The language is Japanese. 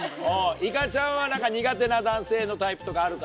いかちゃんは苦手な男性のタイプとかあるか？